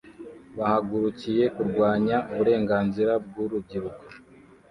bahagurukiye kurwanya uburenganzira bwurubyiruko